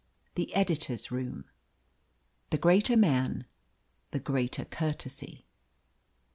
THE EDITOR'S ROOM. The greater man, the greater courtesy.